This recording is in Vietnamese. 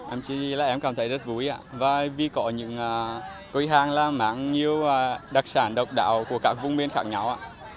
em chỉ là em cảm thấy rất vui và vì có những cây hàng làm mạng nhiều đặc sản độc đạo của các vùng miền khác nhau